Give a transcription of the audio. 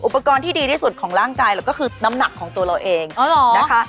ที่ดีที่สุดของร่างกายเราก็คือน้ำหนักของตัวเราเองนะคะ